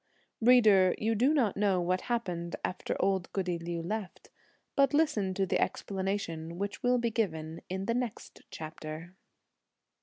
Reader, you do not know what happened after old goody Liu left, but listen to the explanation which will be given in the next chapter.